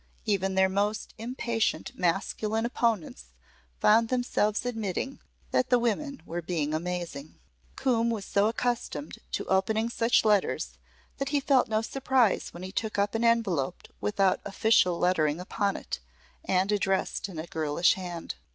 Even their most impatient masculine opponents found themselves admitting that the women were being amazing. Coombe was so accustomed to opening such letters that he felt no surprise when he took up an envelope without official lettering upon it, and addressed in a girlish hand.